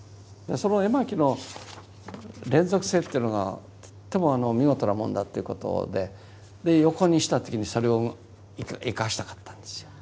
その絵巻の連続性というのがとっても見事なもんだっていうことで横にした時にそれを生かしたかったんですよ。